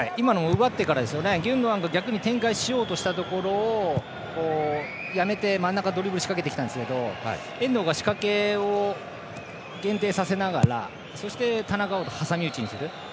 奪ってからギュンドアンが逆に展開しようとしたところやめて、真ん中にドリブル仕掛けてきたんですが遠藤が仕掛けを限定させながらそして田中碧と挟み撃ちにする。